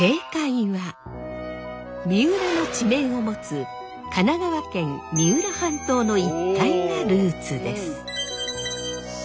三浦の地名を持つ神奈川県三浦半島の一帯がルーツです。